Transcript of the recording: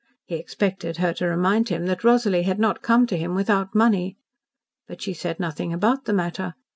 He expected her to remind him that Rosalie had not come to him without money. But she said nothing about the matter.